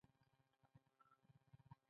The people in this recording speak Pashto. پوخ استاد شاګرد ته لارښود وي